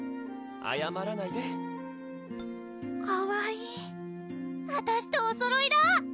あやまらないでかわいいあたしとおそろいだ！